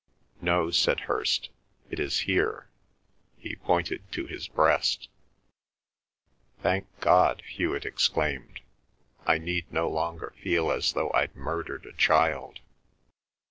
"No," said Hirst. "It is here." He pointed to his breast. "Thank God," Hewet exclaimed. "I need no longer feel as though I'd murdered a child!"